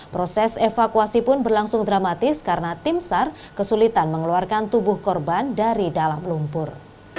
proses evakuasi pun berlangsung dramatis karena tim sar kesulitan mengeluarkan tubuh korban dari dalam lumpur